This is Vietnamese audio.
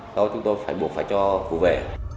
thôi chúng tôi phải buộc phải cho vũ về